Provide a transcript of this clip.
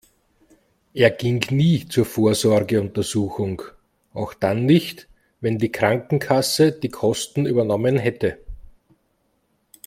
Er ging nie zur Vorsorgeuntersuchung, auch dann nicht, wenn die Krankenkasse die Kosten übernommen hätte.